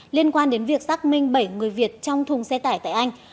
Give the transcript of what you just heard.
liên quan đến việc xác minh bảy người việt trong thùng xe tải tại anh